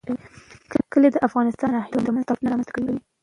کلي د افغانستان د ناحیو ترمنځ تفاوتونه رامنځ ته کوي.